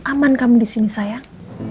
aman kamu disini sayang